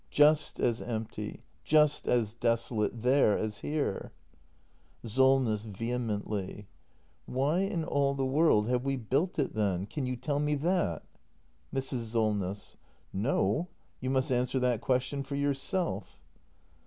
Just as empty — just as desolate — there as here. Solness. [Vehemently.] Why in all the world have we built it then ? Can you tell me that ? Mrs. Solness. No; you must answer that question for yourself.